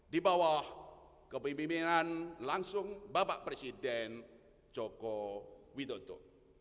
di bawah kepemimpinan langsung bapak presiden joko widodo